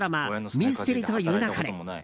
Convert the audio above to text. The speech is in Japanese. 「ミステリと言う勿れ」